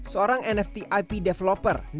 seorang nft ip developer nikolas yudhoyan